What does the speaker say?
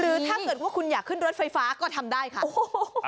หรือถ้าเกิดคุณอยากขึ้นรถไฟฟ้าก็ทำได้ค่ะ